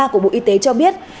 của bộ y tế cho biết